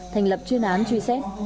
thành lập chuyên án truy xét